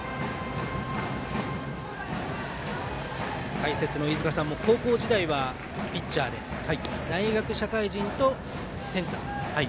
解説の飯塚さんも高校時代はピッチャーで、大学・社会人とセンター。